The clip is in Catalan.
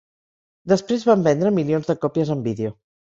Després van vendre milions de còpies en vídeo.